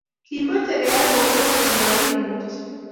Kimache keyay kunoto, magimuchi